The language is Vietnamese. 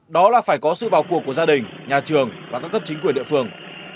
đó là phải có sự vào cuộc của gia đình nhà trường và các cấp chính quyền địa phương